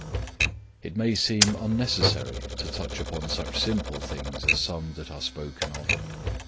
It may seem unnecessary to touch upon such simple things as some that are spoken of.